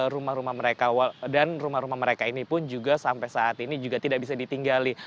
rumah rumah mereka dan rumah rumah mereka ini pun juga sampai saat ini juga tidak bisa ditinggali